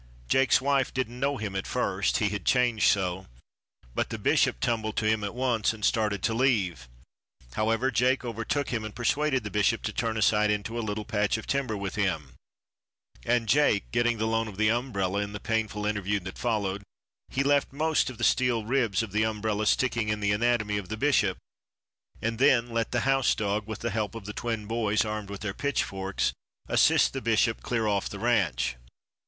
Jake's wife didn't know him at first, he had changed so, but the bishop tumbled to him at once and started to leave. However, Jake overtook him and persuaded the bishop to turn aside into a little patch of timber with him, and Jake getting the loan of the umbrella in the painful interview that followed, he left most of the steel ribs of the umbrella sticking in the anatomy of the bishop, and then let the house dog, with the help of the twin boys armed with their pitchforks, assist the bishop clear off the ranch.